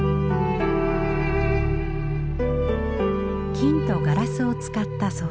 金とガラスを使った装飾。